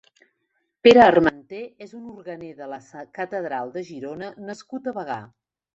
Pere Armenter és un organer de la Catedral de Girona nascut a Bagà.